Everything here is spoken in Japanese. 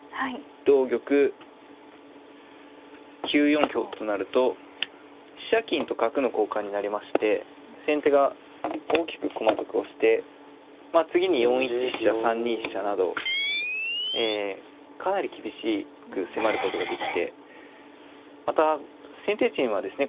同玉９四香となると飛車金と角の交換になりまして先手が大きく駒得をして次に４一飛車３二飛車などえかなり厳しく迫ることができてまた先手陣はですね